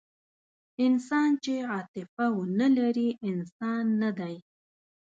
انسان چې عاطفه ونهلري، انسان نهدی.